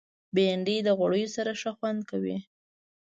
بېنډۍ د غوړیو سره ښه خوند کوي